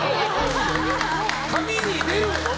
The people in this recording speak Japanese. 髪に出るの？